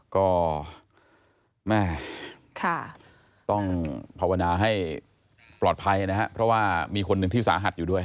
ก็แม่ต้องภาวนาให้ปลอดภัยนะครับเพราะว่ามีคนหนึ่งที่สาหัสอยู่ด้วย